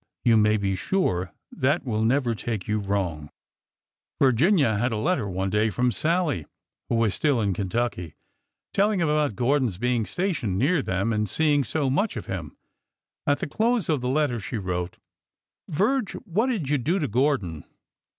You may be sure that will never take you wrong." Virginia had a letter one day from Sallie, who was still in Kentucky, telling about Gordon's being stationed near them and their seeing so much of him. At the close of the letter she wrote: Virge, what did you do to Gordon